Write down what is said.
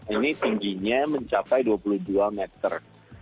ini tingginya mencapai dua puluh dua meter